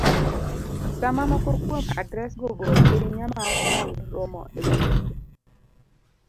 Sama moko kuom adresgo bor ahinya maok nyal romo e barupe